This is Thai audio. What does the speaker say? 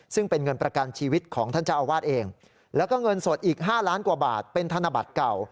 ซึ่งเป็นเงินประกันชีวิตของท่านเจ้าอาวาสเองแล้วก็เงินสดอีก๕ล้านกว่าบาทเป็นธนบัตรเก่า